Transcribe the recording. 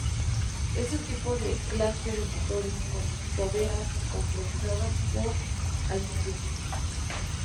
Es un tipo de la clase de motores con toberas compensadas por altitud.